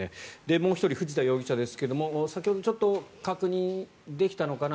もう１人、藤田容疑者ですが先ほど確認できたのかな？